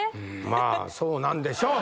まあそうなんでしょう。